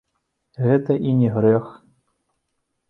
Гэта і не грэх.